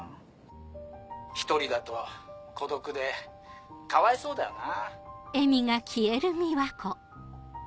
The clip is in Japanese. １人だと孤独でかわいそうだよな。